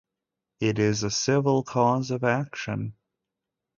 It is a civil cause of action.